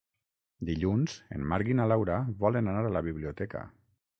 Dilluns en Marc i na Laura volen anar a la biblioteca.